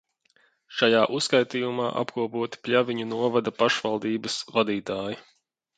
Šajā uzskaitījumā apkopoti Pļaviņu novada pašvaldības vadītāji.